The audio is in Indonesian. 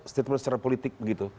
secara politik begitu